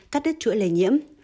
cắt đứt chuỗi lây nhiễm